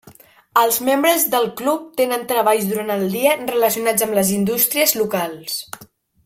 Els membres del club tenen treballs durant el dia relacionats amb les indústries locals.